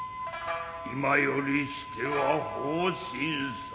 今よりしては放心斉。